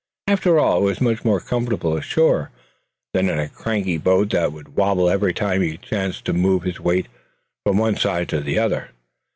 After all, it was much more comfortable ashore, than in a cranky boat that wobbled every time he chanced to move his weight from one side to the other.